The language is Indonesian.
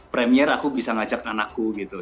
premier aku bisa ngajak anakku gitu